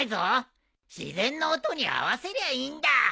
自然の音に合わせりゃいいんだ。